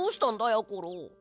やころ。